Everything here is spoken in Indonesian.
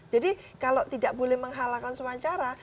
jadi kalau tidak boleh menghalakan semuanya cara